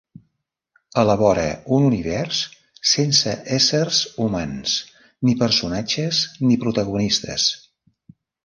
Elabora un univers sense éssers humans, ni personatges, ni protagonistes.